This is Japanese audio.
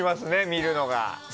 見るのが。